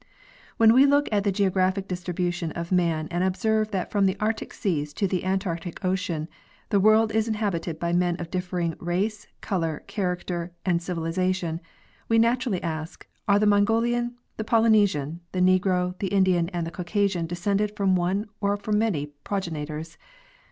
When we look at the geographic distribution of man and observe that from the Arctic seas to the Antarctic ocean the world is inhabited by men of differing race, color, character and civ ilization, we naturally ask, Are the Mongolian, the Polynesian, the Negro, the Indian, and the Caucasian descended from one or from: many progenitors?